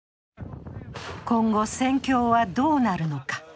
今後戦況はどうなるのか。